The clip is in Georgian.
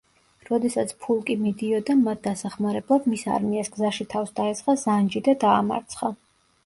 როდესაც ფულკი მიდიოდა მათ დასახმარებლად, მის არმიას გზაში თავს დაესხა ზანჯი და დაამარცხა.